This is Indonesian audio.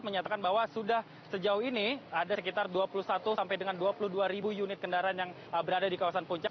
menyatakan bahwa sudah sejauh ini ada sekitar dua puluh satu sampai dengan dua puluh dua ribu unit kendaraan yang berada di kawasan puncak